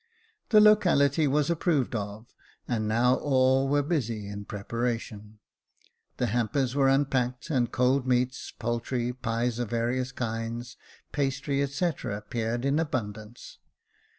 The locality was approved of, and now all were busy in preparation. The hampers were unpacked, and cold meats, poultry, pies of various kinds, pastry, &c., appeared in abundance.